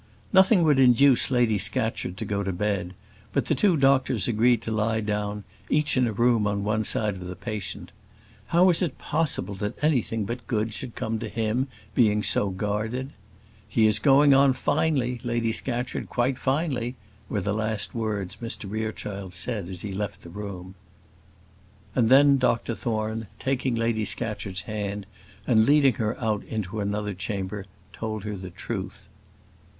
Nothing would induce Lady Scatcherd to go to bed; but the two doctors agreed to lie down, each in a room on one side of the patient. How was it possible that anything but good should come to him, being so guarded? "He is going on finely, Lady Scatcherd, quite finely," were the last words Mr Rerechild said as he left the room. And then Dr Thorne, taking Lady Scatcherd's hand and leading her out into another chamber, told her the truth.